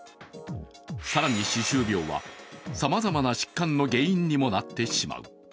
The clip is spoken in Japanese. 更に歯周病は、さまざまな疾患の原因にもなってしまう。